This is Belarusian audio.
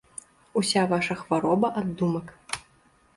Уся ваша хвароба ад думак.